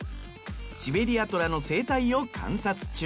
シベリアトラの生態を観察中。